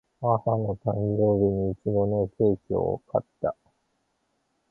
母の誕生日にいちごのケーキを作った